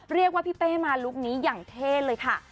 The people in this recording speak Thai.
เรียกว่าพี่เป้มาลุคนี้อย่างเท่เลยค่ะ